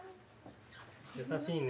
優しいね。